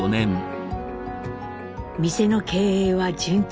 店の経営は順調。